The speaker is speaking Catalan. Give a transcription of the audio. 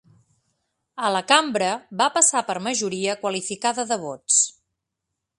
A la Cambra, va passar per majoria qualificada de vots.